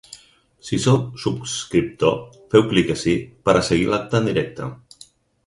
Si sou subscriptor, feu clic ací per a seguir l’acte en directe.